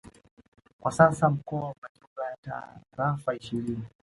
Kwa sasa mkoa una jumla ya Tarafa ishirini